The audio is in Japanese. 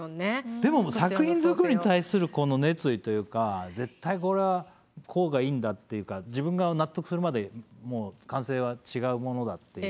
でも作品作りに対するこの熱意というか絶対これはこうがいいんだっていうか自分が納得するまで完成は違うものだっていう。